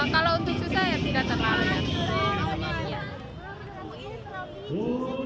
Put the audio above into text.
kalau untuk susah ya tidak terlalu